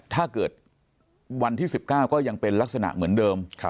ถ้าเกิดวันที่๑๙ก็ยังเป็นลักษณะเหมือนเดิม